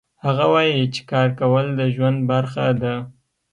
هغه وایي چې کار کول د ژوند برخه ده